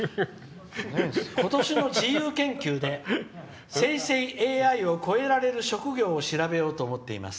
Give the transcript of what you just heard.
今年の自由研究で生成ＡＩを超える職業を調べようと思っています」。